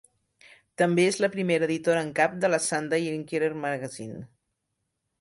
També és la primera editora en cap de la Sunday Inquirer Magazine.